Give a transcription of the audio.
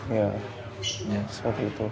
ya seperti itu